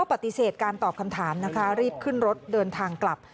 ปฏิเสธการตอบคำถามนะคะรีบขึ้นรถเดินทางกลับ